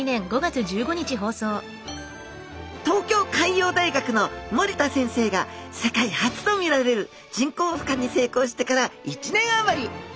東京海洋大学の森田先生が世界初とみられる人工ふ化に成功してから１年余り。